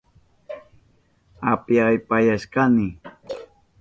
Upyapayashkani